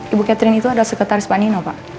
ibu catherine itu adalah sekretaris panino pak